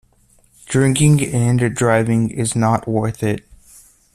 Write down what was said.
Drinking and driving is not worth it.